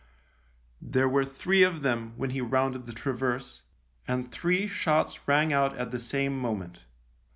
There were three of them when he rounded the traverse, and three shots rang out at the same moment.